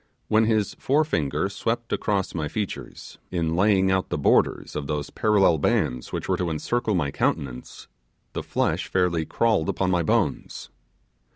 When his forefinger swept across my features, in laying out the borders of those parallel bands which were to encircle my countenance, the flesh fairly crawled upon my bones.